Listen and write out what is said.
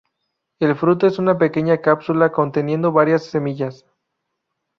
El fruto es una pequeña cápsula conteniendo varias semillas.